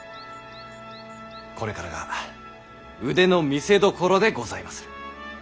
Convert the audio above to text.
これからが腕の見せどころでございまする。